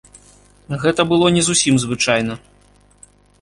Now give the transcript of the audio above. Гэта было не зусім звычайна.